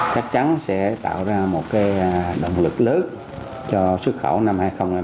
chắc chắn sẽ tạo ra một động lực lớn cho xuất khẩu năm hai nghìn hai mươi